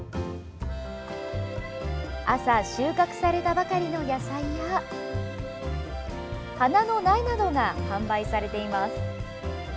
朝収穫されたばかりの野菜や花の苗などが販売されています。